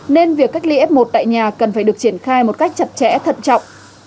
nên việc cách ly f một tại nhà cần phải được triển khai một cách chặt chẽ thận trọng